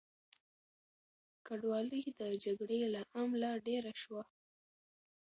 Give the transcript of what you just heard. کډوالۍ د جګړې له امله ډېره شوه.